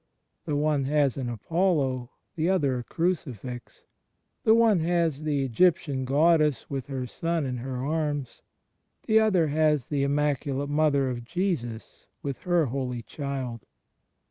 The one has an Apollo; the other a Crucifix. The one has the Egyptian goddess with her son in her arms; the other has the Immaculate Mother of Jesus with her Holy Child.